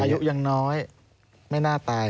อายุยังน้อยไม่น่าตาย